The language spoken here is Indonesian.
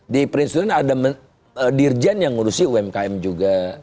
di prinsip ada dirjen yang ngurusi umkm juga